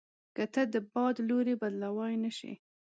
که ته د باد لوری بدلوای نه شې.